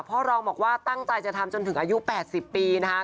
รองบอกว่าตั้งใจจะทำจนถึงอายุ๘๐ปีนะคะ